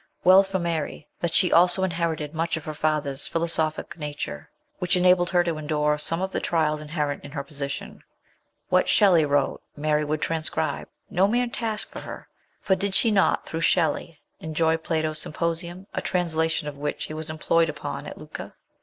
Well for Mary that she also inherited much of her father's philosophic nature, which enabled her to endure some of the trials inherent in her posi tion. What Shelley wrote Mary would transcribe LIFE IN ITALY. 131 no mere task for her for did she not, through Shelley, enjoy Plato's Symposium, a translation of which he was employed upon at Lucca?